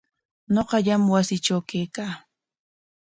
Ñuqallam wasiitraw kawaa.